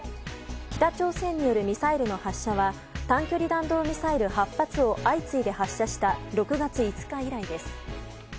北朝鮮によるミサイルの発射は短距離弾道ミサイル８発を相次いで発射した６月５日以来です。